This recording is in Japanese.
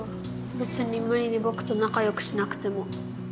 べつに無理にぼくと仲よくしなくても。